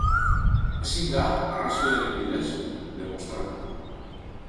Ezin da arrazoiaren bidez demostratu.